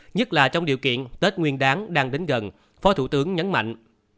nhất là trong điều kiện tết nguyên đáng đang đến gần phó thủ tướng nhấn mạnh